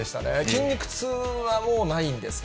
筋肉痛はもうないんですか？